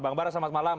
bang bara selamat malam